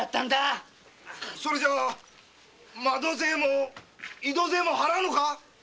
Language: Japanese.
それじゃ窓税も井戸税も払うのか？